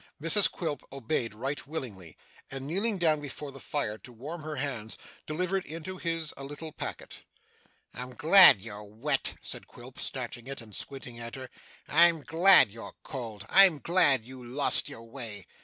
Mrs Quilp obeyed right willingly, and, kneeling down before the fire to warm her hands, delivered into his a little packet. 'I'm glad you're wet,' said Quilp, snatching it, and squinting at her. 'I'm glad you're cold. I'm glad you lost your way.